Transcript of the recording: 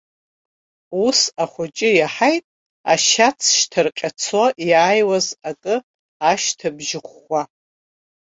Ус, ахәыҷы иаҳаит, ашьац шьҭарҟьыцуа иааиуаз акы ашьҭыбжь ӷәӷәа.